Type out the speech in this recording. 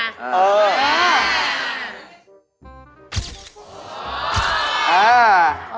อ๋อเออ